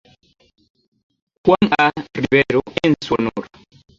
Juan A. Rivero en su honor.